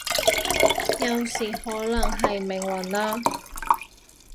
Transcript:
有時可能係命運啦